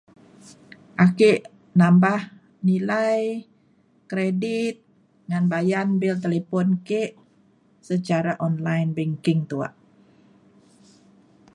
ake nambah nilai kredit bayan bil talipon ke secara online banking tuak.